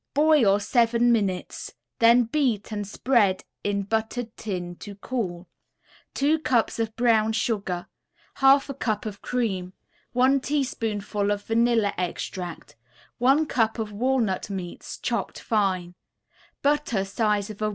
Boil seven minutes; then beat and spread in buttered tin to cool. 2 cups of brown sugar, 1/2 a cup of cream, 1 teaspoonful of vanilla extract, 1 cup of walnut meats, chopped fine, Butter size of a walnut.